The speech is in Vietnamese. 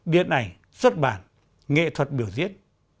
điện ảnh xuất bản nghệ thuật biểu diễn